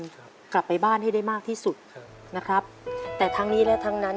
ครับกลับไปบ้านให้ได้มากที่สุดครับนะครับแต่ทั้งนี้และทั้งนั้น